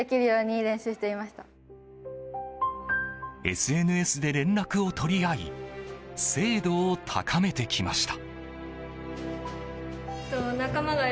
ＳＮＳで連絡を取り合い精度を高めてきました。